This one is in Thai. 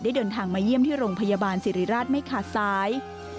เดินทางมาเยี่ยมที่โรงพยาบาลสิริราชไม่ขาดซ้าย